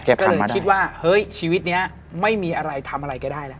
ก็เลยคิดว่าเฮ้ยชีวิตนี้ไม่มีอะไรทำอะไรก็ได้แล้ว